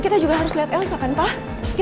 kita juga harus lihat elsa kan pak